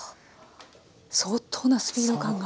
相当なスピード感が。